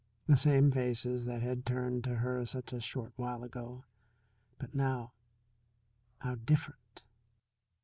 The same faces that had turned to her such a short while ago; but now, how different!